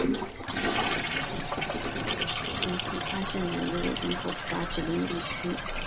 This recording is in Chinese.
阿罕布拉谷是位于美国加利福尼亚州康特拉科斯塔县的一个人口普查指定地区。